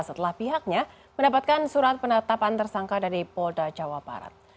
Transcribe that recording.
setelah pihaknya mendapatkan surat penetapan tersangka dari polda jawa barat